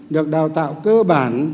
được đào tạo cơ bản